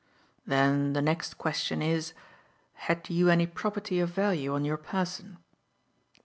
"Then the next question is: Had you any property of value on your person?"